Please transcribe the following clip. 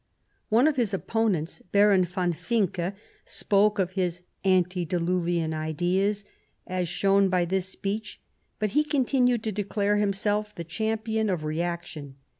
One of his opponents. Baron von Vincke, spoke of his " antediluvian ideas '* as shown by this speech, but he continued to declare himself the champion of reaction.